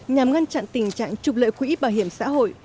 nhằm ngăn chặn tình trạng trục lợi quỹ bảo hiểm xã hội